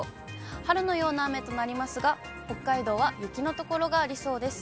春のような雨となりますが、北海道は雪の所がありそうです。